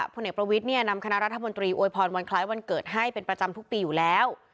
ผลเอกประวิทย์เนี่ยนำคณะรัฐมนตรีอวยพรวันคล้ายวันเกิดให้เป็นประจำทุกปีอยู่แล้ว